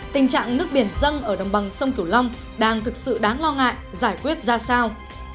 tình trạng nước biển dân ở đồng bằng sông cửu long đang thực sự đáng lo ngại giải quyết ra sao